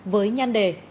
với nhan đề